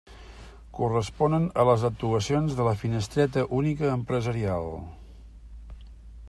Corresponen a les actuacions de la Finestreta Única Empresarial.